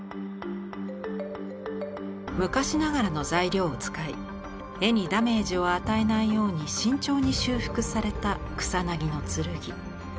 昔ながらの材料を使い絵にダメージを与えないように慎重に修復された「草薙の剣」。